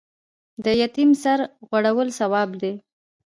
د یتیم سر غوړول ثواب دی